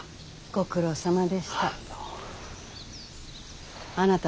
ご苦労さまでした。